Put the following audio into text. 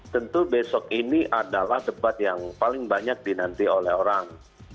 tentu besok ini adalah debat yang paling banyak dinanti oleh orang